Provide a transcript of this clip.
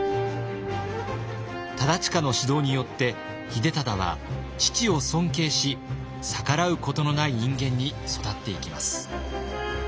忠隣の指導によって秀忠は父を尊敬し逆らうことのない人間に育っていきます。